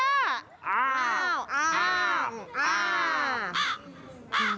อ้าวอ้าวอ้าว